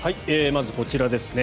まず、こちらですね。